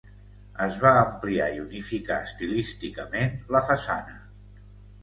Es va ampliar i unificar estilísticament la façana.